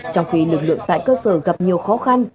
trong khi lực lượng tại cơ sở gặp nhiều khó khăn